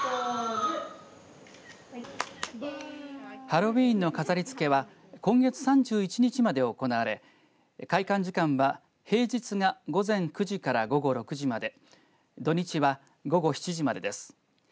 ハロウィーンの飾りつけは今月３１日まで行われ開館時間は平日が午前９時から午後６時まで土日は午後７時までです。